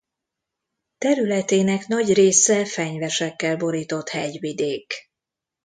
Területének nagy része fenyvesekkel borított hegyvidék.